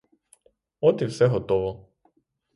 От і все готово.